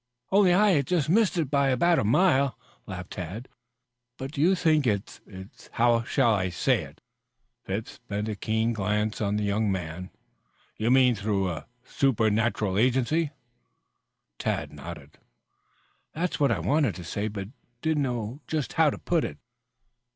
"Only I just missed it by about a mile," laughed Tad. "But you do not think it's how shall I say it?" Phipps bent a keen glance on the young man. "You mean through any supernatural agency?" Tad nodded. "That's what I wanted to say, but didn't know just how to put it."